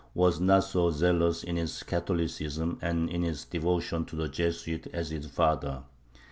was not so zealous in his Catholicism and in his devotion to the Jesuits as his father.